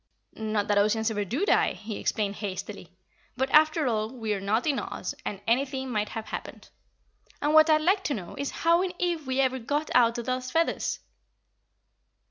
Not that Ozians ever do die," he explained hastily, "but, after all, we are not in Oz and anything might have happened. And what I'd like to know is how in Ev we ever got out of those feathers."